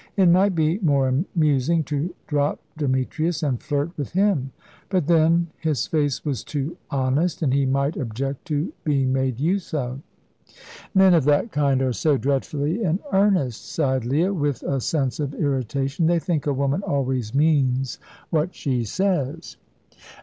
It might be more amusing to drop Demetrius and flirt with him. But then, his face was too honest, and he might object to being made use of. "Men of that kind are so dreadfully in earnest," sighed Leah, with a sense of irritation; "they think a woman always means what she says."